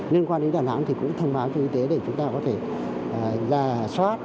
liên quan đến đà nẵng thì cũng thông báo cho y tế để chúng ta có thể ra soát